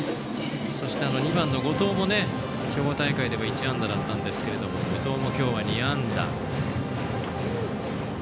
そして２番の後藤も兵庫大会では１安打だったんですが後藤も今日は２安打。